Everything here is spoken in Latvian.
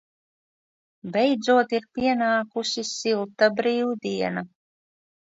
Beidzot ir pienākusi silta brīvdiena.